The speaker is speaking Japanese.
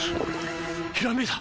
ひらめいた！